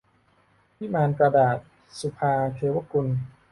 วิมานกระดาษ - สุภาว์ เทวกุล